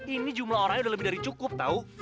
ini jumlah orangnya udah lebih dari cukup tahu